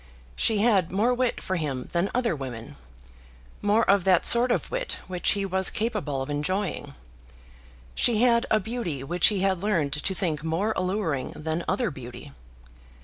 She had more wit for him than other women, more of that sort of wit which he was capable of enjoying. She had a beauty which he had learned to think more alluring than other beauty.